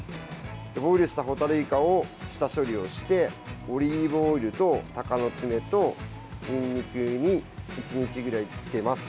ボイルしたホタルイカを下処理をしてオリーブオイルと鷹の爪とにんにくに、１日ぐらい漬けます。